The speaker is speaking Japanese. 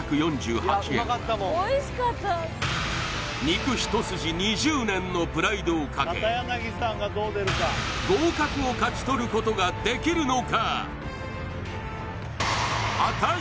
肉一筋２０年のプライドをかけ合格を勝ち取ることができるのか？